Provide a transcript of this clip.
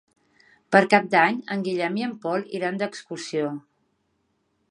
Per Cap d'Any en Guillem i en Pol iran d'excursió.